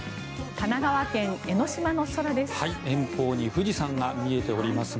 神奈川県・江の島の空です。